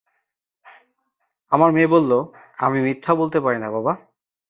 আমার মেয়ে বলল, আমি মিথ্যা বলতে পারি না, বাবা।